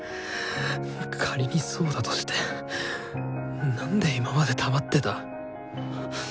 仮にそうだとしてなんで今まで黙ってた？